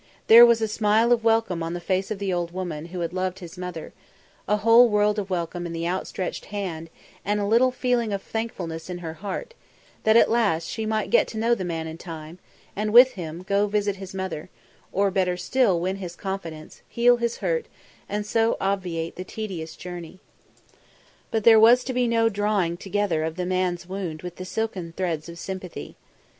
There was a smile of welcome on the face of the old woman who had loved his mother; a whole world of welcome in the outstretched hand and a little feeling of thankfulness in her heart; that at last she might get to know the man in time, and, with him, go to visit his mother, or, better still, win his confidence, heal his hurt, and so obviate the tedious journey. But there was to be no drawing together of the man's wound with the silken threads of sympathy.